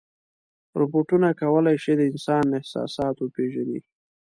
روبوټونه کولی شي د انسان احساسات وپېژني.